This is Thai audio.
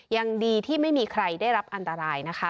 ยังดีที่ไม่มีใครได้รับอันตรายนะคะ